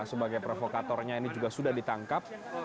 sebagai provokatornya ini juga sudah ditangkap